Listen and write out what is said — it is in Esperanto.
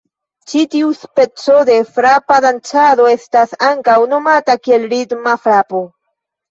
Ĉi tiu speco de frapa dancado estas ankaŭ nomata kiel ritma frapo.